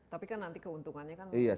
tapi kan nanti keuntungannya kan bagus